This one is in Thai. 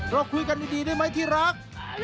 เราคุยกันดีได้ไหมที่รัก